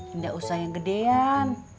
tidak usah yang gedean